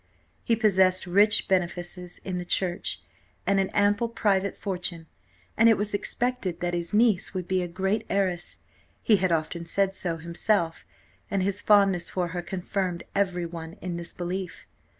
He possessed rich benefices in the church, and an ample private fortune, and it was expected that his niece would be a great heiress he had often said so himself, and his fondness for her confirmed every one in this belief.